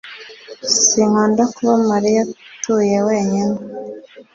Sinkunda kuba Mariya atuye wenyine.